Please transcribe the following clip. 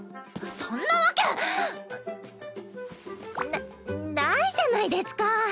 そんなわけなないじゃないですか。